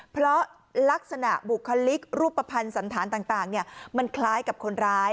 เพราะลักษณะบุคลิกรูปภัณฑ์สันธารต่างมันคล้ายกับคนร้าย